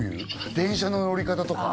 電車の乗り方とか？